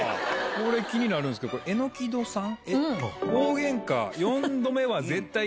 これ気になるんすけど榎戸さん。